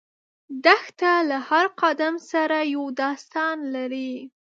دښته له هر قدم سره یو داستان لري.